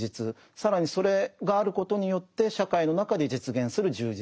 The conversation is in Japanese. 更にそれがあることによって社会の中で実現する充実